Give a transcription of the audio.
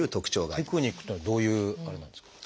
テクニックっていうのはどういうあれなんですか？